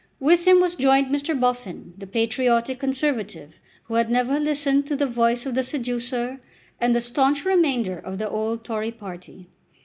With him was joined Mr. Boffin, the patriotic Conservative who had never listened to the voice of the seducer, and the staunch remainder of the old Tory party.